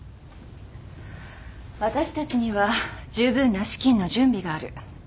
私たちにはじゅうぶんな資金の準備がある。